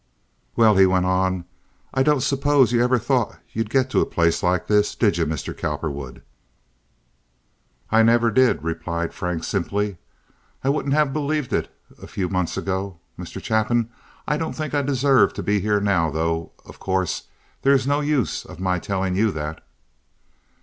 "Well, now," he went on, "I don't suppose you ever thought you'd get to a place like this, did you, Mr. Cowperwood?" "I never did," replied Frank, simply. "I wouldn't have believed it a few months ago, Mr. Chapin. I don't think I deserve to be here now, though of course there is no use of my telling you that."